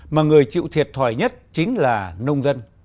mà người chịu thiệt thòi nhất chính là nông dân